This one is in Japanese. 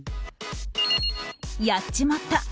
やっちまった。